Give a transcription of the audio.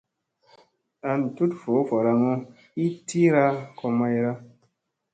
An tut voo varaŋu ii tiira ko mayda.